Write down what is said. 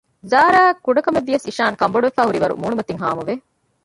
ޒާރާއަށް ކުޑަކަމެއްވިޔަސް އިޝާން ކަންބޮޑުވަފައި ހުރިވަރު މޫނުމަތިން ހާމަވެ